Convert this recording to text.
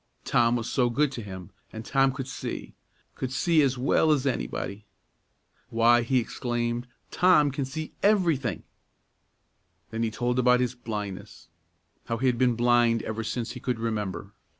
Tom was so good to him; and Tom could see, could see as well as anybody. "Why," he exclaimed, "Tom can see every thing!" Then he told about his blindness; how he had been blind ever since he could remember.